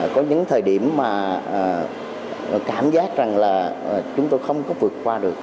có những thời điểm mà cảm giác rằng là chúng tôi không có vượt qua được